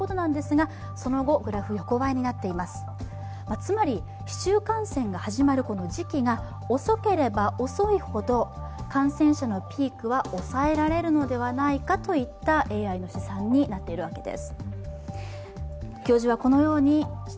つまり市中感染が始まる時期が遅ければ遅いほど感染者のピークは抑えられるのではないかといったＡＩの試算になっているわけです。